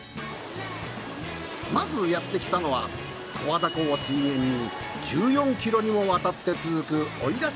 まずやってきたのは十和田湖を水源に１４キロにもわたって続く